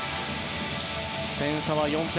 点差は４点。